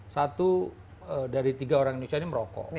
satu dari tiga orang indonesia ini merokok